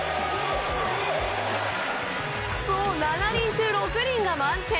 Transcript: ７人中６人が満点。